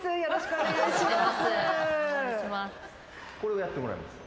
お願いします。